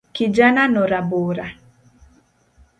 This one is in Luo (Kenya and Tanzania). Kijanano rabora.